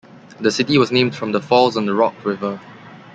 The city was named from the falls on the Rock River.